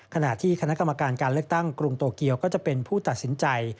ขณะที่คณะกรรมการการเลือกตั้งกรุงโตเกียวก็จะเป็นผู้ตัดสินใจ